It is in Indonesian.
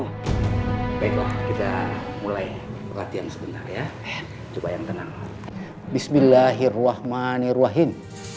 hai baiklah kita mulai perhatian sebenarnya coba yang tenang bismillahirrohmanirrohim